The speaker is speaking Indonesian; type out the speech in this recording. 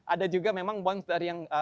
ada juga memang bonds dari yang